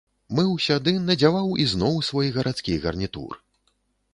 Мыўся ды надзяваў ізноў свой гарадскі гарнітур.